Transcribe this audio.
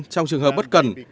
trong trường hợp bất cần